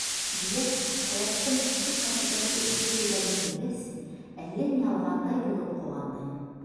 Дилә, Хаяттың ике ҡат итәкле иҫке күлдәген кейгәс, әллә ни алғандай булып ҡыуанды.